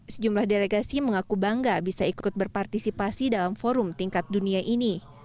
sejumlah delegasi mengaku bangga bisa ikut berpartisipasi dalam forum tingkat dunia ini